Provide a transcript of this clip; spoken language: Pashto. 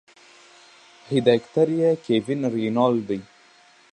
هدايتکار ئې Kevin Reynolds دے